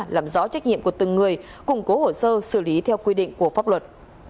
làm rõ trách nhiệm của từng người củng cố hồ sơ xử lý theo quy định của pháp luật